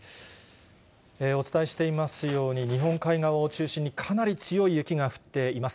お伝えしていますように、日本海側を中心にかなり強い雪が降っています。